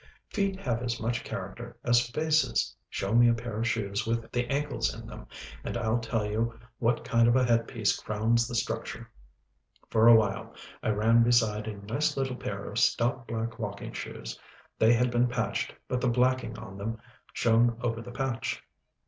Feet have as much character as faces. Show me a pair of shoes with the ankles in them, and I'll tell you what kind of a headpiece crowns the structure. For a while, I ran beside a nice little pair of stout, black, walking shoes. They had been patched, but the blacking on them shone over the patch.